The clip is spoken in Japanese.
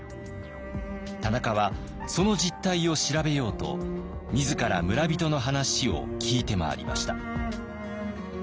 田中はその実態を調べようと自ら村人の話を聞いて回りました。